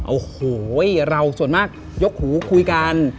โอ้โหเราส่วนมากยกหูคุยกัน